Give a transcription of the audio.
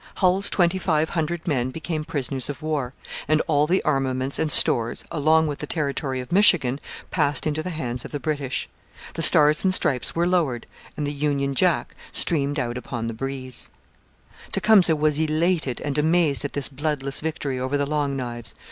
Hull's twenty five hundred men became prisoners of war, and all the armaments and stores, along with the territory of Michigan, passed into the hands of the British. The Stars and Stripes were lowered, and the Union Jack streamed out upon the breeze. Tecumseh was elated and amazed at this bloodless victory over the Long Knives.